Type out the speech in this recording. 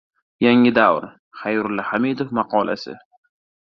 Yangi davr. Xayrulla Hamidov maqolasi